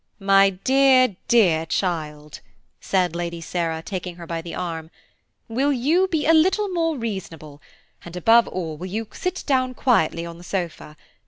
"My dear, dear child," said Lady Sarah, taking her by the arm, "will you be a little more reasonable, and above all, will you sit down quietly on the sofa?